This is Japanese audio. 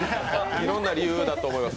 いろんな理由だと思います。